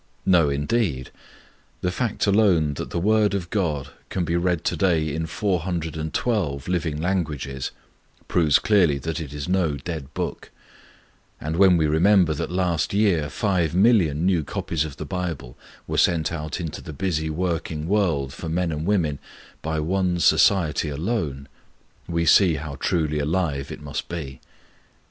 No, indeed. The fact alone that the Word of God can be read to day in 412 living languages proves clearly that it is no dead book; and when we remember that last year 5,000,000 new copies of the Bible were sent into the busy working world for men and women by one Society alone, we see how truly 'alive' it must be.